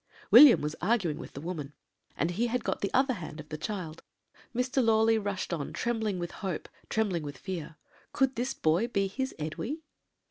"William was arguing with the woman, and he had got the other hand of the child. "Mr. Lawley rushed on, trembling with hope, trembling with fear could this boy be his Edwy?